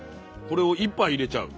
これを１杯入れちゃう？